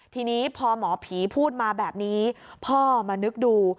ทีนี้พอหมอผีพูดมาแบบนี้พ่อมานึกดู